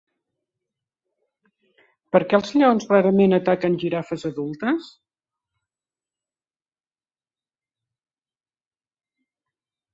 Per què els lleons rarament ataquen girafes adultes?